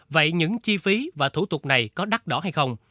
vậy những chi phí và thủ tục này có đắt đỏ hay không